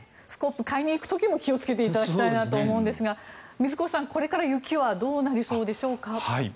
スコップを買いに行くときも気を付けていただきたいんですが水越さん、今後の雪はどうなりそうでしょうか？